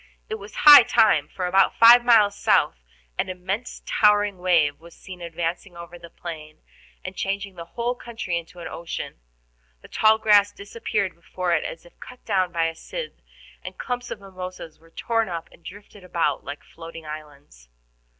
It was high time, for about five miles south an immense towering wave was seen advancing over the plain, and changing the whole country into an ocean. The tall grass disappeared before it as if cut down by a scythe, and clumps of mimosas were torn up and drifted about like floating islands.